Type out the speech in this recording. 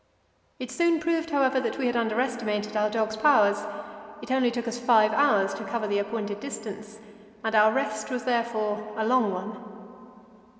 It soon proved, however, that we had underestimated our dogs' powers; it only took us five hours to cover the appointed distance, and our rest was therefore a long one.